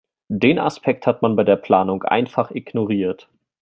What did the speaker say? Den Aspekt hat man bei der Planung einfach ignoriert.